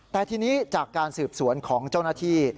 แต่ทีนี้จากการสืบสวนของเจ้าหน้าที่